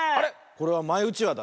これはマイうちわだね。